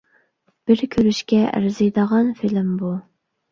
بىر كۆرۈشكە ئەرزىيدىغان فىلىم بۇ.